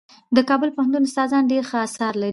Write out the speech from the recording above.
د کابل پوهنتون استادان ډېر ښه اثار لري.